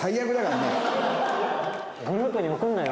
グループに送るなよ。